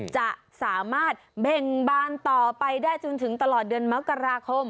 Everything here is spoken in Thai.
จะสามารถเบ่งบานต่อไปได้จนถึงตลอดเดือนมกราคม